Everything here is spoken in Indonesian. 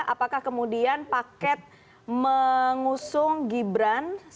apakah kemudian paket mengusung gibran sebagai bakal kembali ke indonesia